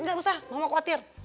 gak usah mama khawatir